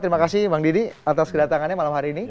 terima kasih bang didi atas kedatangannya malam hari ini